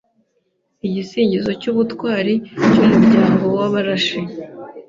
igisingizo cy’Ubutwari cy’Umuryango w’Abarashi